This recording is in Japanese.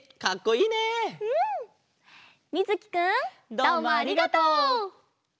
どうもありがとう！